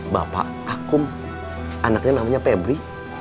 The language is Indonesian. bapak aku anaknya namanya pebri